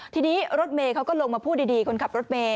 ทีนี้รถเมย์เขาก็ลงมาพูดดีคนขับรถเมย